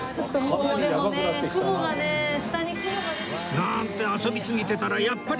なんて遊びすぎてたらやっぱり